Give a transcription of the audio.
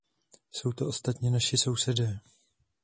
Jsou to ostatně naši sousedé.